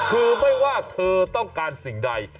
คือไม่ว่าเธอต้องการสิ่งใด